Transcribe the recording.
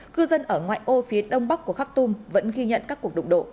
cư dân ở ngoại ô phía đông bắc của khắc tung vẫn ghi nhận các cuộc đụng độ